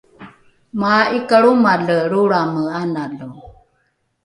maa’ikalromale lrolrame analo